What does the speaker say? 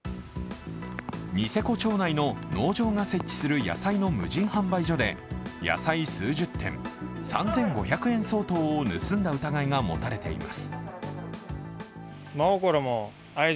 ニセコ町内の農場が設置する野菜の無人販売所で野菜数十点、３５００円相当を盗んだ疑いが持たれています。